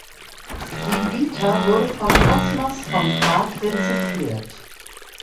Die Vita wurde von Cosmas von Prag rezipiert.